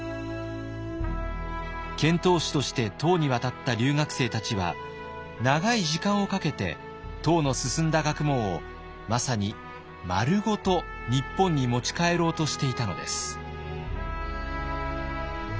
遣唐使として唐に渡った留学生たちは長い時間をかけて唐の進んだ学問をまさにまるごと日本に持ち帰ろうとしていたのです。